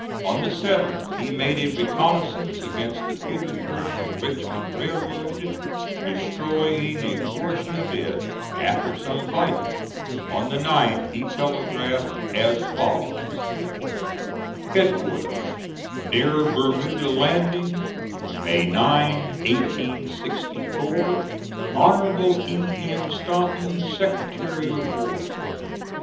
On the 7th he made a reconnoissance against the Petersburg and Richmond Railroad, destroying a portion of it after some fighting. On the 9th he telegraphed as follows: "HEADQUARTERS, NEAR BERMUDA LANDING, May 9, 1864. "HON. E. M. STANTON, Secretary of War.